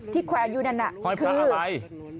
ที่แคล้งอยู่นั่นคือห้อยพระอะไร